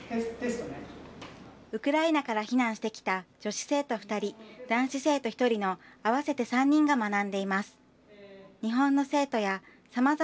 ウクライナから避難してきた女子生徒２人、男子生徒１人の合わせて３人が学んでいます。